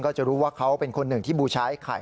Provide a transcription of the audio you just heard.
จะรู้ว่าเขาเป็นคนหนึ่งที่บูชายไข่